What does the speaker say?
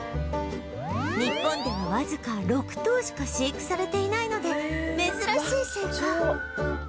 日本ではわずか６頭しか飼育されていないので珍しいせいか